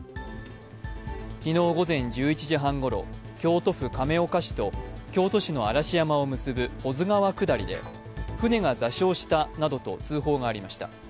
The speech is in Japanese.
昨日午前１１半時ごろ京都府亀岡市と京都市の嵐山を結ぶ保津川下りで舟が座礁したなどと通報がありました。